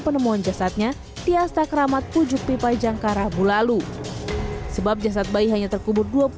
penemuan jasadnya di astagramad pujuk pipai jangka rabu lalu sebab jasad bayi hanya terkubur